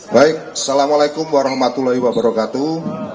baik assalamualaikum warahmatullahi wabarakatuh